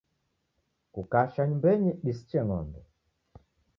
Kukacha nyumbenyi disiche ng'ombe.